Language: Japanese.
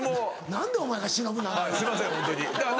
何でお前が忍なの。